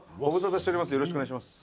よろしくお願いします。